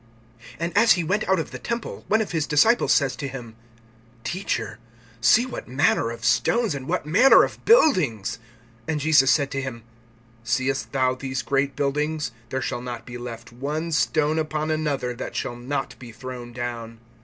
XIII. AND as he went out of the temple, one of his disciples says to him: Teacher, see what manner of stones, and what manner of buildings! (2)And Jesus said to him: Seest thou these great buildings? There shall not be left one stone upon another, that shall not be thrown down.